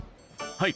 はい。